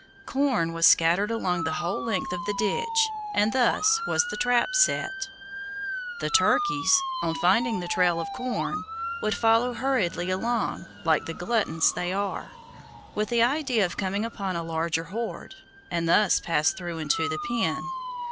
Corn was scattered along the whole length of the ditch, and thus was the trap set. The turkeys, on finding the trail of corn, would follow hurriedly along, like the gluttons they are, with the idea of coming upon a larger hoard, and thus pass through into the pen.